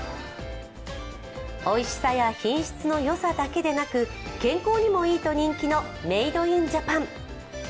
おいしさや品質のよさだけでなく健康にもいいと人気のメイド・イン・ジャパン。